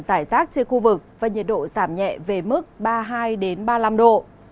giải rác trên khu vực và nhiệt độ giảm nhẹ về mức ba mươi hai ba mươi năm độ